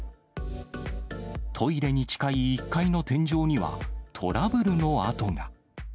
トイレに近い１階の天井には、トラブルの跡が。